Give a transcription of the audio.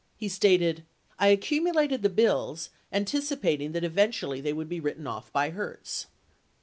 He stated: "I accumulated the bills anticipating that eventually they would be written off by Hertz."